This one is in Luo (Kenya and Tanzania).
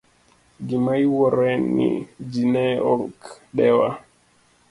Gima iwuoro en ni ji ne ok dewa.